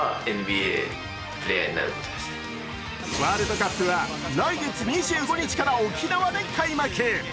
ワールドカップは来月２５日から沖縄で開幕。